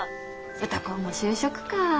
歌子も就職かあ。